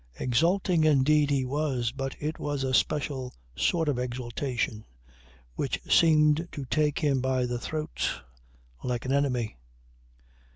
Exulting indeed he was but it was a special sort of exultation which seemed to take him by the throat like an enemy.